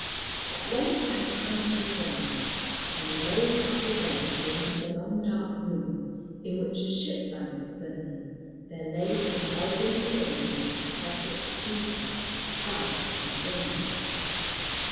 "At length I had time to look round. On a low truckle bed at the end of the long dark room, in which a ship lamp was burning, there lay an elderly lady in a perfect stupor of fright and illness.